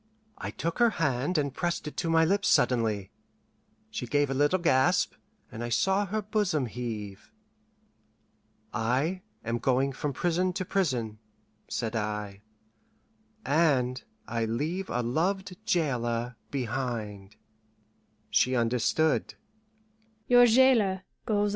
I took her hand and pressed it to my lips suddenly. She gave a little gasp, and I saw her bosom heave. "I am going from prison to prison," said I, "and I leave a loved jailer behind." She understood.